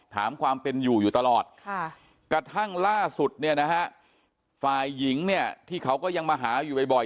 ถามความเป็นอยู่อยู่ตลอดกระทั่งล่าสุดเนี่ยนะฮะฝ่ายหญิงเนี่ยที่เขาก็ยังมาหาอยู่บ่อย